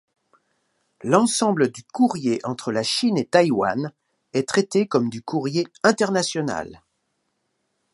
L'ensemble du courrier entre la Chine et Taïwan est traité comme du courrier international.